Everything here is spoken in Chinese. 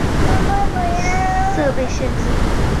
通带调制与相应的解调通过调制解调器设备实现。